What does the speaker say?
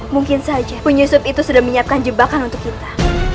mungkin saja penyusup itu sudah menyiapkan jebakan untuk kita